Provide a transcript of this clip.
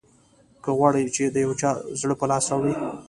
که غواړې چې د یو چا زړه په لاس راوړې.